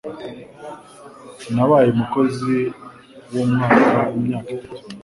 Nabaye umukozi wumwaka imyaka itatu.